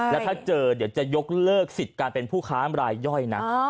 แล้วถ้าเจอเดี๋ยวจะยกเลิกสิทธิ์การเป็นผู้ค้ามรายย่อยนะ